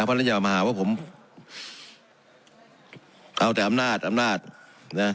เพราะฉะนั้นอย่ามาหาว่าผมเอาแต่อำนาจอำนาจนะ